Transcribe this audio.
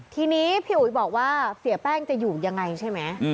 ทีนี้พี่อุ๋ยบอกว่าเสียแป้งจะอยู่ยังไงใช่ไหม